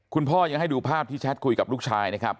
คุณพ่อยังให้ดูภาพที่แชทคุยกับลูกชายนะครับ